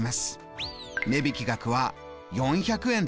値引額は４００円です。